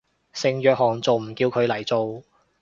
聖約翰仲唔叫佢嚟做